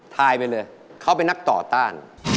ถ่ายไปเลยเขาเป็นนักต่อต้าน